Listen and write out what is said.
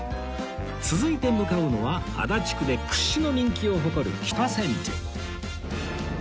続いて向かうのは足立区で屈指の人気を誇る北千住